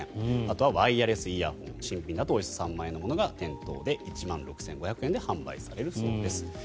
あとはワイヤレスイヤホン新品だとおよそ３万円のものが店頭で１万６５００円で販売されるそうです。